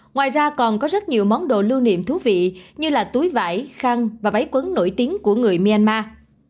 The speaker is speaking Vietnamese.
ngoài ra còn có rất nhiều món đồ lưu niệm thú vị như là túi vải khăn và váy quấn nổi tiếng của người myanmar